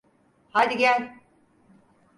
Haydi gel.